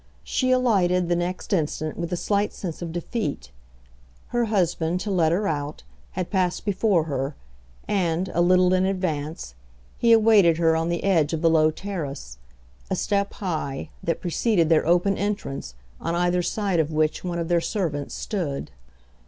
She alighted the next instant with a slight sense of defeat; her husband, to let her out, had passed before her, and, a little in advance, he awaited her on the edge of the low terrace, a step high, that preceded their open entrance, on either side of which one of their servants stood.